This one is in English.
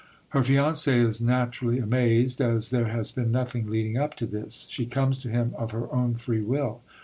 Her fiancé is naturally amazed, as there has been nothing leading up to this; she comes to him of her own free will.